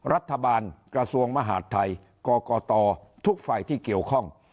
รัฐบาลกระทรวงมหาธัยกรกตทุกฝ่ายที่เกี่ยวข้อง